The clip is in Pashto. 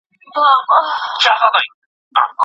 حکیمان بې تجربې نه وي.